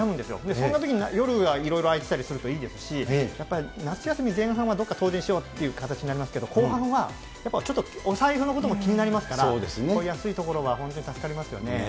そんなとき、夜がいろいろ開いてたりするといいですし、やっぱり夏休み前半はどこか遠出しようという形になりますけれども、後半はやっぱりちょっとお財布のことも気になりますから、こういう安い所は本当に助かりますよね。